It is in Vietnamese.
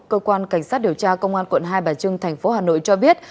cơ quan cảnh sát điều tra công an quận hai bà trưng tp hà nội cho biết